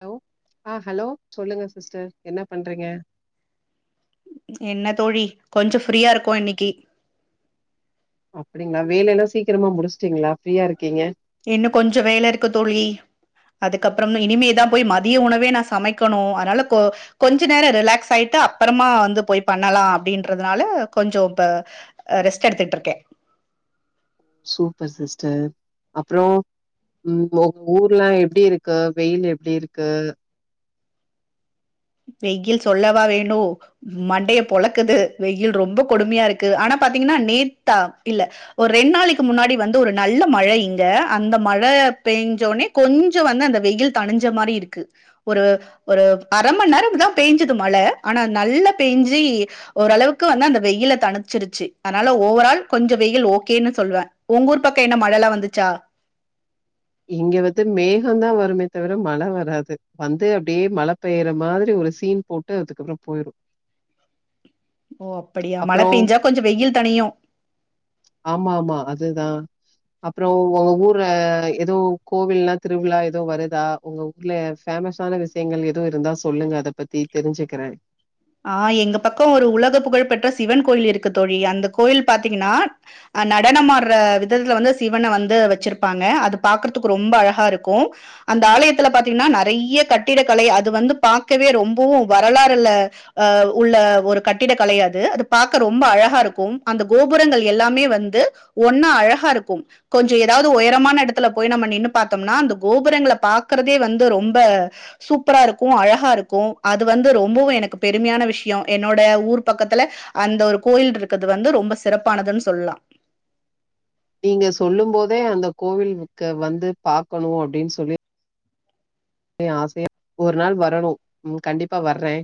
hello ஆஹ் hello சொல்லுங்க sister என்ன பண்றீங்க என்ன தோழி கொஞ்சம் ஃப்ரீயா இருக்கோம் இன்னைக்கி அப்டிங்களா வேலை எல்லாம் சீக்கிரமா முடிச்சுட்டீங்களா ஃப்ரீயா இருக்கீங்க இன்னும் கொஞ்சம் வேலை இருக்கு தோழி அதுக்கப்புறம் இனிமேதான் போய் மதிய உணவே நான் சமைக்கணும் அதனால கொ கொஞ்ச நேரம் ரிலாக்ஸ் ஆயிட்டு அப்புறமா வந்து போய் பண்ணலாம் அப்படின்றதுனால கொஞ்சம் இப்ப ரெஸ்ட் எடுத்துட்டு இருக்கேன் சூப்பர் சிஸ்டர் அப்புறம் உம் உங்க ஊர்லாம் எப்டி இருக்கு வெயில் எப்டி இருக்கு வெயில் சொல்லவா வேணும் மண்டையை பொலக்குது வெயில் ரொம்ப கொடுமையா இருக்கு ஆனா பாத்தீங்கன்னா நேத்தா இல்ல ஒரு ரெண்டு நாளைக்கு முன்னாடி வந்து ஒரு நல்ல மழை இங்க அந்த மழை பெஞ்சோனே கொஞ்சம் வந்து அந்த வெயில் தனிஞ்ச மாரி இருக்கு ஒரு ஒரு அரை மணி நேரம் தான் பேய்ஞ்சுது மழை ஆனா நல்லா பேஞ்சி ஓரளவுக்கு வந்து அந்த வெயில தனிச்சிருச்சு அதனால ஓவரால் கொஞ்சம் வெயில் ஓகேன்னு சொல்லுவேன் உங்க ஊர் பக்கம் என்ன மழைல்லாம் வந்துச்சா இங்க வந்து மேகம்தான் வருமே தவிர மழை வராது வந்து அப்டியே மழை பெய்யற மாரி ஒரு சீன் போட்டு அதுக்கப்புறம் போயிரும் ஓ அப்படியா மழை பேஞ்சா கொஞ்சம் வெயில் தனியையும் அப்புறம் உங்க ஊர்ல ஏதோ கோவில்னா திருவிழா ஏதோ வருதா உங்க ஊர்ல பேமஸான விஷயங்கள் ஏதோ இருந்தா சொல்லுங்க அதை பத்தி தெரிஞ்சுக்கிறேன் ஆஹ் எங்க பக்கம் ஒரு உலக புகழ் பெற்ற சிவன் கோயில் இருக்கு தோழி அந்த கோயில் பாத்தீங்கன்னா அஹ நடனமாடுற விதத்துல வந்து சிவனை வந்து வச்சிருப்பாங்க அது பாக்குறதுக்கு ரொம்ப அழகா இருக்கும் அந்த ஆலயத்துல பாத்தீங்கன்னா நிறைய கட்டிடக்கலை அது வந்து பாக்கவே ரொம்பவும் வரலாறுல அஹ உள்ள ஒரு கட்டிட கலையாது அது பார்க்க ரொம்ப அழகா இருக்கும் அந்த கோபுரங்கள் எல்லாமே வந்து ஒன்னா அழகா இருக்கும் கொஞ்சம் ஏதாவது உயரமான இடத்துல போய் நம்ம நின்று பார்த்தோம்னா அந்த கோபுரங்களை பாக்குறதே வந்து ரொம்ப சூப்பரா இருக்கும் அழகா இருக்கும் அது வந்து ரொம்பவும் எனக்குப் பெருமையான விஷயம் என்னோட ஊர் பக்கத்துல அந்த ஒரு கோயில் இருக்குது வந்து ரொம்ப சிறப்பானதுன்னு சொல்லலாம் நீங்க சொல்லும் போதே அந்த கோவில்க்கு வந்து பாக்கணும் அபடின்னு சொல்லி ஆசையா ஒரு நாள் வரணும் உம் கண்டிப்பா வறேன்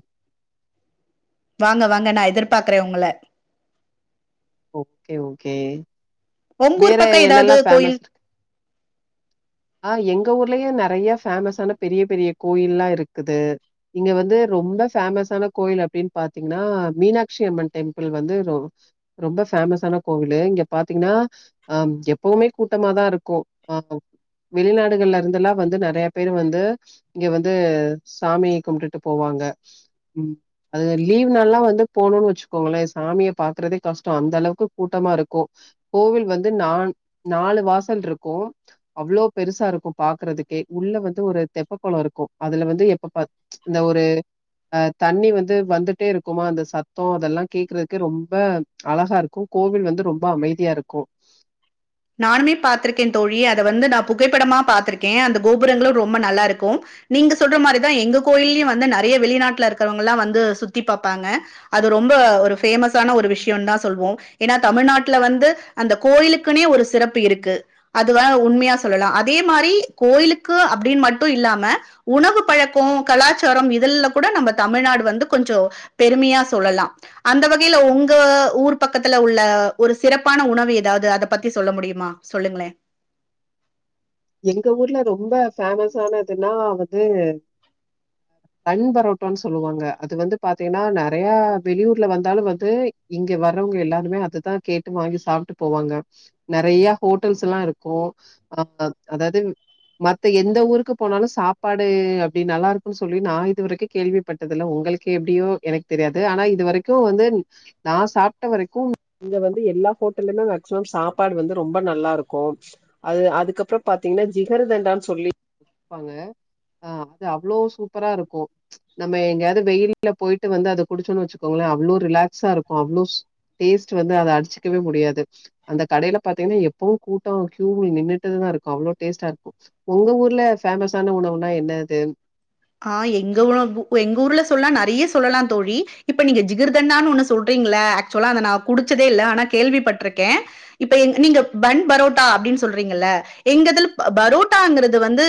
வாங்க வாங்க நான் எதிர்பாக்றேன் உங்கள ஓகே ஓகே உங்க ஊர் வேற பக்கம் ஏதாவது என்னல்லாம் கோயில் பேமஸ் இருக்கு ஆஹ் எங்க எங்க ஊர்லயும் நறைய பேமஸ்ஸான பெரிய பெரிய கோயில்லாம் இருக்குது இங்க வந்து ரொம்ப பேமஸ்ஸான கோயில் அப்டின்னு பாத்தீங்கன்னா மீனாட்சி அம்மன் டெம்பிள் வந்து ரொம்ப ஃபேமஸான கோவிலு இங்க பாத்தீங்கன்னா அஹ எப்பவுமே கூட்டமாதான் இருக்கும் அஹ வெளிநாடுகள்ல இருந்துதெல்லாம் வந்து நறைய பேரு வந்து இங்க வந்து சாமி கும்டுட்டு போவாங்க உம் அது லீவ் நள் எல்லாம் வந்து போணும்ன்னு வச்சுக்கோங்களே சாமிய பாக்குறதே கஷ்ட அந்த அளவுக்கு கூட்டமா இருக்கும் கோவில் வந்து நான் நாலு வாசல் இருக்கும் அவ்ளோ பெருசா இருக்கும் பாக்குறதுக்கே உள்ள வந்து ஒரு தெப்ப குளம் இருக்கும் அதுல வந்து எப்பப்ப இந்த ஒரு அஹ் தண்ணி வந்து வந்துட்டே இருக்குமா அந்த சத்தம் அதெல்லாம் கேக்குறதுக்கே ரொம்ப அழகா இருக்கும் கோவில் வந்து ரொம்ப அமைதியா இருக்கும் நானு பாத்திருக்கேன் தோழி அதை வந்து நான் புகைப்படமா பாத்திருக்கேன் அந்த கோபுரங்களும் ரொம்ப நல்லா இருக்கும் நீங்க சொல்ற மாரிதான் எங்க கோயிலயும் வந்து நறைய வெளிநாட்டுல இருக்கிறவங்க எல்லாம் வந்து சுத்தி பாப்பாங்க அது ரொம்ப ஒரு பேமஸான ஒரு விஷயம்னு தான் சொல்லுவோம் ஏன்னா தமிழ்நாட்டுல வந்து அந்த கோயிலுக்குனே ஒரு சிறப்பு இருக்கு அது உண்மையா சொல்லலாம் அதே மாரி கோயிலுக்கு அப்டின்னு மட்டும் இல்லாம உணவு பழக்கம் கலாச்சாரம் இதாம் கூட நம்ம தமிழ்நாடு வந்து கொஞ்சம் பெருமையா சொல்லலாம் அந்த வகைல உங்க ஊர் பக்கத்துல உள்ள ஒரு சிறப்பான உணவு ஏதாவது அதை பத்தி சொல்ல முடியுமா சொல்லுங்களே எங்க ஊர்ல ரொம்ப ஃபேமஸானதுனா வந்து பண் பரோட்டானு சொல்வாங்க அது வந்து பாத்தீங்கன்னா நிறைய வெளியூர்ல வந்தாலும் வந்து இங்க வர்றவுங்க எல்லாருமே அதுதான் கேட்டு வாங்கி சாப்டு போவாங்க நறைய ஹோட்டல்ஸ்லாம் இருக்கும் அஹ் அதாவது மத்த எந்த ஊருக்கு போனாலும் சாப்பாடு அப்டி நல்லா இருக்கும்ன்னு சொல்லி நான் இதுவரைக்கும் கேள்விப்பட்டது இல்ல உங்களுக்கே எப்படியோ எனக்கு தெரியாது ஆனா இதுவரைக்கும் வந்து நான் சாப்பிட்ட வரைக்கும் இங்க வந்து எல்லா ஹோட்டல்லயுமே மேக்சிமம் சாப்பாடு வந்து ரொம்ப நல்லா இருக்கும் அது அதுக்கப்புறம் பாத்திங்கன்னா ஜிகர்தண்டானு சொல்லிபாங்க அது அவ்ளோ சூப்பரா இருக்கும் நம்ம எங்கயாவது வெயில்ல போய்டு வந்து அத குடிச்சோன்னு வச்சுக்கோங்களேன் அவ்ளோ ரிலாக்ஸா இருக்கும் அவ்ளோ டேஸ்ட் வந்து அத அடிச்சுக்கவே முடியாது அந்த கடையில பாத்தீங்கன்னா எப்பவும் கூட்டம் கூ நின்னுட்டுதான் இருக்கும் அவ்ளோ டேஸ்ட்டா இருக்கும் உங்க ஊர்ல பேமஸ்ஸான உணவுனா என்ன அது ஆஹ் எங்க ஊர்ல சொல்லாம் நறைய சொல்லலாம் தோழி இப்ப நீங்க ஜிகர்தண்டான்னு ஒண்ணு சொல்றீங்கள ஆக்சுவலா அதை நான் குடிச்சதே இல்ல ஆனா கேள்விப்பட்டிருக்கேன் இப்ப எ நீங்க பன் பரோட்டா அப்படின்னு சொல்றீங்கல்ல எங்கதுல பரோட்டாங்கிறது வந்து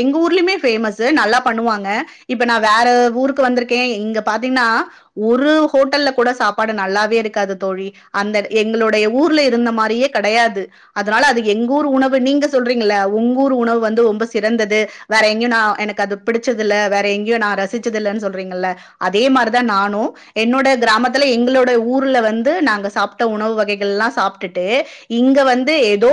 எங்க ஊர்லயுமே பேமஸூ நல்லா பண்ணுவாங்க இப்ப நான் வேற ஊருக்கு வந்திருக்கேன் இங்க பாத்தீங்கன்னா ஒரு ஹோட்டல்ல கூட சாப்பாடு நல்லாவே இருக்காது தோழி அந்த எங்களுடைய ஊர்ல இருந்த மாரியே கெடையாது அதனால அது எங்க ஊர் உணவு நீங்க சொல்றீங்க உங்கூர் உணவு வந்து ரொம்ப சிறந்தது வேற எங்கயும் நான் எனக்கு அது பிடிச்சதுல்ல வேற எங்கேயோ நான் ரசிச்சதில்ன்னு சொல்றீங்கல்ல அதே மாரிதான் நானும் என்னோட கிராமத்துல எங்களோட ஊர்ல வந்து நாங்க சாப்ட உணவு வகைகள் எல்லாம் சாப்பிட்டுட்டு இங்க வந்து ஏதோ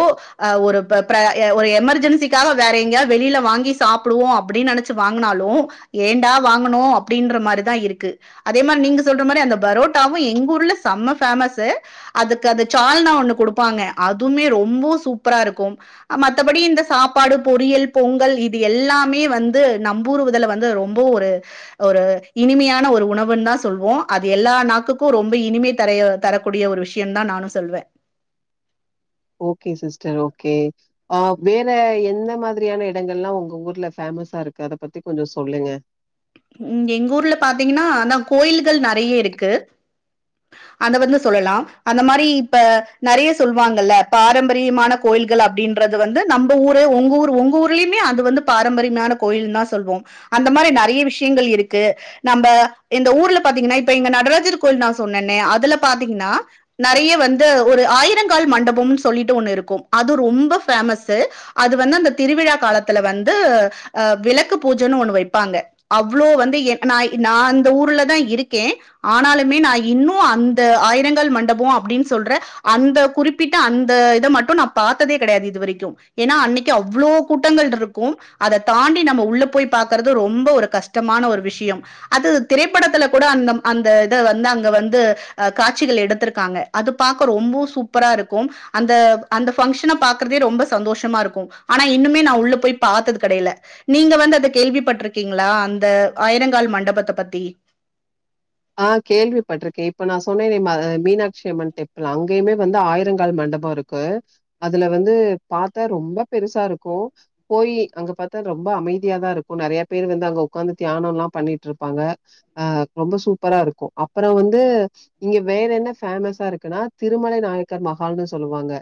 ஒரு எமர்ஜென்சிக்காக வேற எங்கயாவது வெளியில வாங்கி சாப்பிடுவோம் அப்படின்னு நெனைச்ச வாங்குனாலும் ஏண்டா வாங்கனும் அப்படின்ற மாரிதான் இருக்கு அதே மாரி நீங்க சொல்ற மாரி அந்த பரோட்டாவும் எங்க ஊர்ல செம்ம பேமஸூ அதுக்கு சால்னா ஒண்ணு குடுப்பாங்க அதுமே ரொம்ப சூப்பரா இருக்கும் மத்தபடி இந்த சாப்பாடு பொரியல் பொங்கல் இது எல்லாமே வந்து ந்து நம்பூறுவததுல வந்து ரொம்ப ஒரு ஒரு இனிமையான ஒரு உணவுன்னு தான் சொல்லுவோம் அது எல்லா நாக்குக்கும் ரொம்ப இனிமை தரைய தரக்கூடிய ஒரு விஷயம் தான் நானும் சொல்லுவேன் ஓகே சிஸ்டர் ஓகே ஆஹ் வேற எந்த மாரியான இடங்கள்ல்லாம் உங்க ஊர்ல ஃபேமஸா இருக்கு அத பத்தி கொஞ்சம் சொல்லுங்க உம் எங்க ஊர்ல பாத்தீங்கன்னா அதான் கோயில்கள் நிறைய இருக்கு அத வந்து சொல்லலாம் அந்த மாரி இப்ப நிறைய சொல்லுவாங்கல்ல பாரம்பரியமான கோயில்கள் அப்படின்றது வந்து நம்ம ஊரு உங்க ஊர் உங்க ஊர்லயுமே அது வந்து பாரம்பரியமான கோயில்னு தான் சொல்லுவோம் அந்த மாதிரி நிறைய விஷயங்கள் இருக்கு நம்ம இந்த ஊர்ல பாத்தீங்கன்னா இப்ப இங்க நடராஜர் கோயில் நான் பார்த்தீன்னா நிறைய வந்து ஒரு ஆயிரங்கால் மண்டபம்னு சொல்லிட்டு ஒண்ணு இருக்கும் அது ரொம்ப பேமஸ் அது வந்து அந்த திருவிழா காலத்துல வந்து விளக்கு பூஜை ஒண்ணு வைப்பாங்க அவ்ளோ வந்து நா அந்த ஊர்லதான் இருக்கேன் ஆனாலுமே நான் இன்னும் அந்த ஆயிரங்கள் மண்டபம் அப்படினு சொல்ற அந்த குறிப்பிட்ட அந்த இதை மட்டும் நான் பார்த்ததே கிடையாது இது வரைக்கும் ஏனா அன்னைக்கு அவ்ளவு கூட்டங்கள் இருக்கும் அத தாண்டி நம்ம உள்ள போய் பாக்குறது ரொம்ப ஒரு கஷ்டமான ஒரு விஷயம் அது திரைப்படத்தில் கூட அ அந்த வந்து அ அங்க வந்து அஹ காட்சிகள் எடுத்திருக்காங்க அது பார்கக்க ரொம்ப சூப்பரா இருக்கும் அந்த அந்த பங்க்ஷனை பாக்குறதே ரொம்ப சந்தோஷமா இருக்கும் ஆனா இன்னுமே நான் உள்ள போய் பார்த்தது கிடையில நீங்க வந்து அத கேள்விப்பட்டிருக்கீங்களா அந்த ஆயிரங்கால் மண்டபத்தை பத்தி ஆஹ கேள்விப்பட்டிருக்கேன் இப்ப நான் சொன்னேன்னை மீனாட்சி அம்மன் டெம்பிள் அங்கயுமே வந்து ஆயிரங்கால் மண்டபம் இருக்கு அதுல வந்து பார்த்த ரொம்ப பெருசா இருக்கும் போய் அங்க பார்த்தா ரொம்ப அமைதியாதான் இருக்கும் நிறைய பேர் வந்து அங்க உட்காந்து தியானம் எல்லாம் பண்ணிட்டு இருப்பாங்க ஆஹ ரொம்ப சூப் சூப்பரா இருக்கும் அப்புறம் வந்து இங்க வேற என்ன பேமஸா இருக்குன்னா திருமலை நாயக்கர் மஹால்னு சொல்லுவாங்க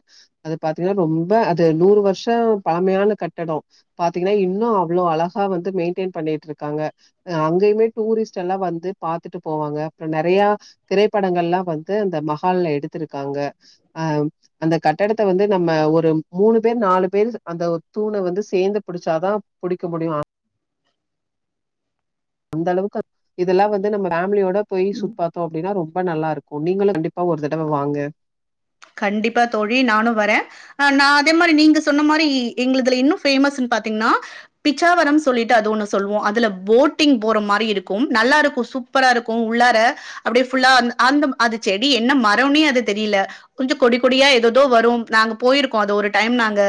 அது பார்த்தீங்கன்னா ரொம்ப அது நூறு வருஷம் பழமையான கட்டடம் பார்த்தீங்கன்னா இன்னும் அவ்வளோ அழகா வந்து மெயின்டெயின் பண்ணிட்டு இருக்காங்க அங்கயுமே டூரிஸ்ட் எல்லாம் வந்து பார்த் பார்த்துட்டு போவாங்க அப்புறம் நிறைய திரைப்படங்கள் எல்லாம் வந்து அந்த மஹால்ல எடுத்திருக்காங்க அஹ அந்த கட்டடத்தை வந்து நம்ம ஒரு மூணு பேர் நாலு பேர் அந்த தூணை வந்து சேர்ந்து பிடிச்சாதான் புடிக்க முடியும் அந்த அளவுக்கு இதெல்லாம் வந்து நம்ம பேமிலியோட பொய் சுத்தி பார்தோம் அப்படினா ரொம்ப ரொம்ப நல்லா இருக்கும் நீங்களும் கண்டிப்பா ஒரு தடவை வாங்க கண்டிப்பா தோழி நானும் வரேன் ஆஹ நான் அதே மாரி நீங்க சொன்ன மாதிரி எங்கதுல இன்னும் பேமஸ்ன்னு பாத்தீங்கன்னா பிச்சாவரம்னு சொல்லிட்டு அது ஒண்ணு சொல்லுவோம் அதுல போட்டிங் போற மாரி இருக்கும் நல்லா இருக்கும் சூப்பரா இருக்கும் உள்ளார அப்படியே ஃபுல்லா அ அந்த அது செடி என்ன மரேனே அது தெரியல கொஞ்சம் கொடி கொடியா ஏததோ வரும் நாங்க போயிருக்கோம் அது ஒரு டைம் நாங்க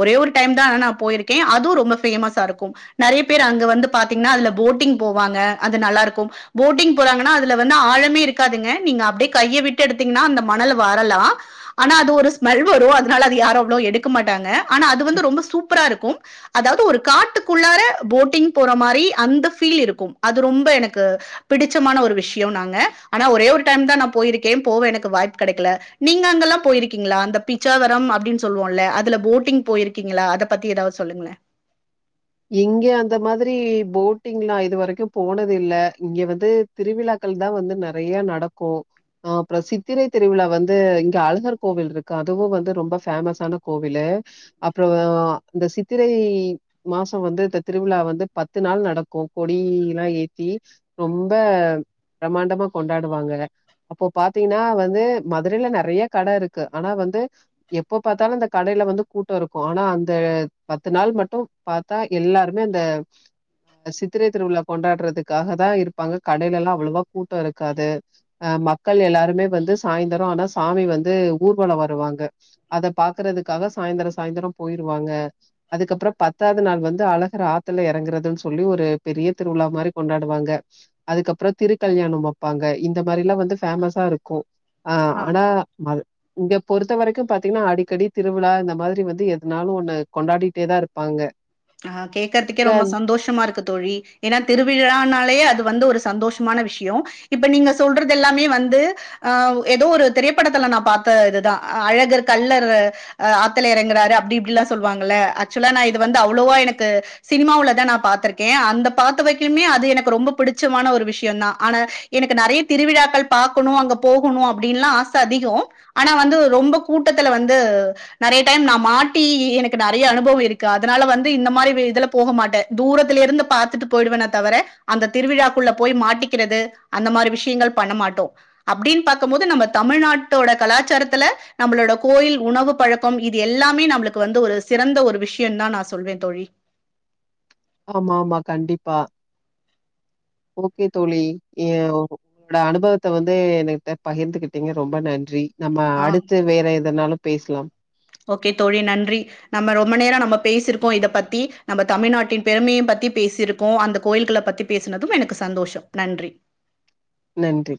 ஒரே ஒரு டைம் தான் நான் போயிருக்கேன் அதுவும் ரொம்ப பேமஸா இருக்கும் நிறைய பேர் அங்க வந்து பார்த்தீங்கன்னா அதுல போட்டிங் போவாங்க அது நல்லா இருக்கும் போட்டிங் போறாங்கன்னா அதுல வந்து ஆழமே இருக்காதுங்க நீங்க அப்படியே கையை விட்டு எடுத்தீங்கன்னா அந்த மணல வரலாம் ஆனா அது ஒரு ஸ்மெல் வரும் அதனால அது யாரும் அவ்வளவு எடுக்க மாட்டாங்க ஆனா அது வந்து ரொம்ப சூப்பரா இருக்கும் அதாவது ஒரு காட்டுக்குள்ள போட்டிங் போற மாரி அந்த பீல் இருக்கும் அது ரொம்ப எனக்கு பிடிச்சமான ஒரு விஷயம் நாங்க ஆனா ஒரே ஒரு டைம் தான் நான் போயிருக்கேன் போவே எனக்கு வாய்ப்பு கிடைக்கல நீங்க அங்கல்லாம் போயிருக்கீங்களா அந்த பிச்சாவரம் அப்படின்னு சொல்லுவோம்ல அதுல போட்டிங் போயிருக்கீங்களா அத பத்தி ஏதாவது சொல்லுங்களே இங்க அந்த மாதிரி போட்டிங்ல்லாம் இதுவரைக்கும் போனது இல்ல இங்க வந்து திருவிழாக்கள் தான் வந்து நிறைய நடக்கும் அஹ் அப்புறம் சித்திரை திருவிழா வந்து இங்க அழுகர் கோவில் இருக்கு அதுவும் வந்து ரொம்ப பேமஸான கோவில் அப்புறம் இந்த சித்திரை மாசம் வந்து இந்த திருவிழா வந்து பத்து நாள் நடக்கும் கொடியல்லாம் ஏத்தி ரொம்ப பிரமாண்டமா கொண்டாடுவாங்க அப்போ பாத்தீங்கன்னா வந்து மதுரையில நிறைய கடை இருக்கு ஆனா வந்து எப்போ பார்த்தாலும் அந்த கடையில வந்து கூட்டம் இருக்கும் ஆனா அந்த பத்து நாள் மட்டும் பார்த்தா எல்லாருமே அந்தஹ சித்திரை திருவிழாவ கொண்டாடுறதுக்காக தான் இருப்பாங்க கடையில எல்லாம் அவ்வளவா கூட்டம் இருக்காது அஹ் மக்கள் எல்லாருமே வந்து சாயந்தரம் ஆனா சாமி வந்து ஊர்வலம் வருவாங்க அத பாரக்குறதுக்காக சாயந்தரம் சாய்ந்தரம் போயிருவாங்க அதுக்கப்புறம் ப பத்தாவது நாள் வந்து அழகர் ஆத்துல இறங்குறதுன்னு சொல்லி ஒரு பெரிய திருவிழா மாரி கொண்டாடுவாங்க அதுக்கப்புறம் திருக்கல்யாணம் வைப்பாங்க இந்த மாரி எல்லாம் வந்து ஃபேஸ்சா இருக்கும் ஆஹ் ஆ ஆனா மது இங்க பொறுத்த வரைக்கும் பாத்தீங்கன்னா அடிக்கடி திருவிழா இந்த மாரி வந்து எதனாலும் ஒண்ணு கொண்டாடிட்டே தான் இருப்பாங்க ஆஹ் கேக்குறதுக்கே அங்க ரொம்ப சந்தோஷமா இருக்கு தோழி ஏன்னா திருவிழானாலேயே வந்து ஒரு சந்தோஷமான விஷயம் இப்ப நீங்க சொல்றது எல்லாமே வந்து ஏதோ ஒரு திரைப்படத்தில் நான் பார்த்த இதுதான் அழகர் கல்லர் ஆத்தல இறங்குறாரு செல்லுவாங்க இது வந்து அவ்வளவா எனக்கு சினிமாவில் தான் நான் பத்திருக்கேன் அந்த பத்தவகேமே அது எனக்கு ரொ பிடிச்சமான ஒரு விஷயம் தான் ஆன எனக்கு நிறைய திருவிழாக்கள் பக்கணும் அங்க போகணும் அப்படில ஆச அதிகம் ஆனா வந்து ரொம்ப கூட்டத்துல வந்து நாறிய டைம் நான் மாட்டி எனக்கு நிறைய அனுபவம் இருக்குது அதனால வந்து இந்த மாரி இதுல போக மாட்டேன் தூரத்தில இருந்து பார்த்துட்டு போயிடுவேன்ன தவிர அந்த திருவிழாக்குள்ள போய் மாட்டிக்கிறது அந்த மாரி விஷயங்கள் பண்ண மாட்டோம் அப்படின்னு பார்கும் போது நம்ம தமிழ்நாட்டோட கலாச்சாரத்துல நம்மளோட கோயில் உணவு பழக்கம் இது எல்லாமே நம்மளுக்கு வந்து ஒரு சிறந்த ஒரு விஷயம் தா நான் சொல்வேன் தோழி ஆமா ஆமா கண்டிப்பா ஓகே தோழி உங்களோட அனுபவத்த வந்து என்கிட்ட பகிர்ந்துகிட்டீங்க ரொம்ப நன்றி நம்ம ஆ அடுத்து வேற எதனாலும் பேசலாம் ஓகே தோழி நன்றி நம்ம ரொம்ப நேரம் நம்ம பேசிருக்கோம் இத பத்தி நம்ம தமிழ்நாட்டின் பெருமையும் பத்தி பேசிருக்கோம் அந்த கோயில்களை பத்தி பேசினதும் எனக்கு சந்தோஷம் நன்றி நன்றி